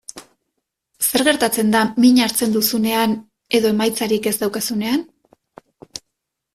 Zer gertatzen da min hartzen duzunean edo emaitzarik ez daukazunean?